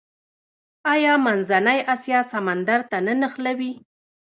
آیا منځنۍ اسیا سمندر ته نه نښلوي؟